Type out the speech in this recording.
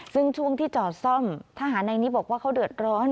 ซึ่งช่วงที่จอดซ่อมทหารในนี้บอกว่าเขาเดือดร้อน